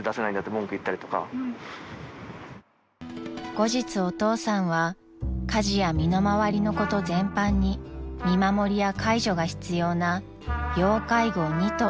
［後日お父さんは家事や身の回りのこと全般に見守りや介助が必要な要介護２と認定されました］